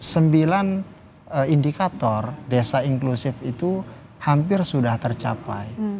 sembilan indikator desa inklusif itu hampir sudah tercapai